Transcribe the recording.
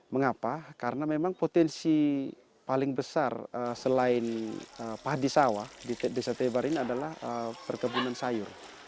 mengapa karena memang potensi paling besar selain padi sawah di desa tebar ini adalah perkebunan sayur